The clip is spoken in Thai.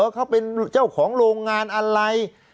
เขาเป็นเจ้าของโรงงานอะไร